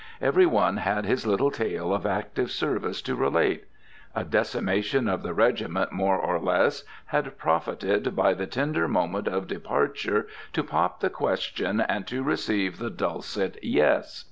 Every one had his little tale of active service to relate. A decimation of the regiment, more or less, had profited by the tender moment of departure to pop the question and to receive the dulcet "Yes."